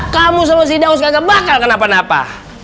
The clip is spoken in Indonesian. kamu sama si daus gak bakal kenapa napa